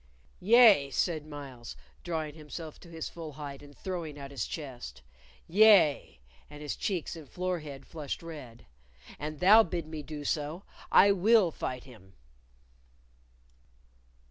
"Yea," said Myles, drawing himself to his full height and throwing out his chest. "Yea," and his cheeks and forehead flushed red; "an thou bid me do so, I will fight him."